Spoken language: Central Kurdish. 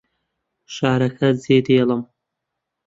شارەکە جێدێڵم.